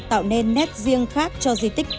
tạo nên nét riêng khác cho di tích